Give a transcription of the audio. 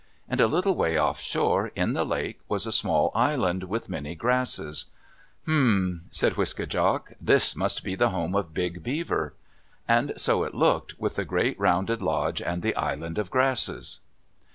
And a little way offshore, in the lake, was a small island, with many grasses. "Hm m m!" said Wiske djak, "This must be the home of Big Beaver." And so it looked, with the great, round lodge and the island of grasses.